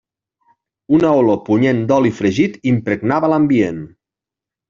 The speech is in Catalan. Una olor punyent d'oli fregit impregnava l'ambient.